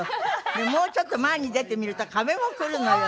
もうちょっと前に出てみると壁も来るのよ。